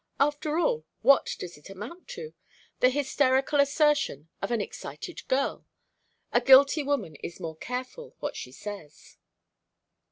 After all, what does it amount to? The hysterical assertion of an excited girl! A guilty woman is more careful what she says."